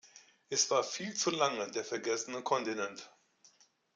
Es war viel zu lange der vergessene Kontinent.